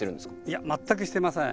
いや全くしてません。